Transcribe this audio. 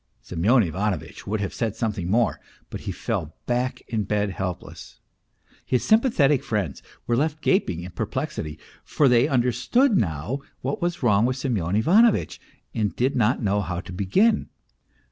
Semyon Ivanovitch would have said something more, but he fell back in bed helpless. His sympathetic friends were left gaping in perplexity, for they understood now what was wrong with Semyon Ivanovitch and did not know how to begin.